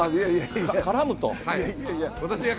絡むと。